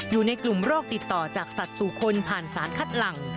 อยู่ในกลุ่มโรคติดต่อจากสัตว์สู่คนผ่านสารคัดหลัง